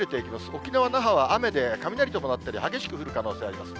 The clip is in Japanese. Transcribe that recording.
沖縄・那覇は雨で、雷伴ったり、激しく降る可能性があります。